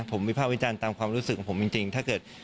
ผมวิภาควิจารณ์ตามความรู้สึกของผมจริงถ้าเกิด